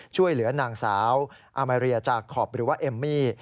ช่วยเหลือนางสาวอามาเรียจาคอปหรือว่าเอมมี่